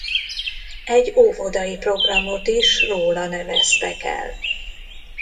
Egy óvodai programot is róla neveztek el.